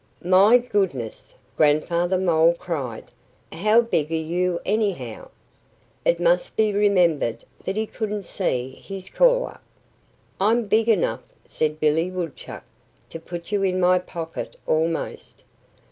"My goodness!" Grandfather Mole cried. "How big are you, anyhow?" It must be remembered that he couldn't see his caller. "I'm big enough," said Billy Woodchuck, "to put you in my pocket, almost."